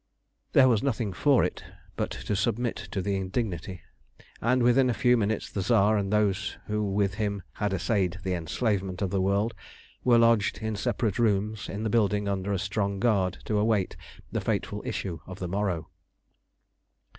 There was nothing for it but to submit to the indignity, and within a few minutes the Tsar and those who with him had essayed the enslavement of the world were lodged in separate rooms in the building under a strong guard to await the fateful issue of the morrow.